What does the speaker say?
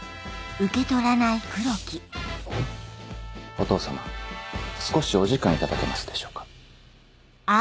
お父様少しお時間頂けますでしょうか？